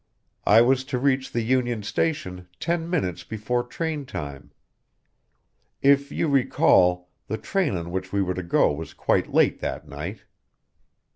I was to reach the Union Station ten minutes before train time. If you recall the train on which we were to go was quite late that night.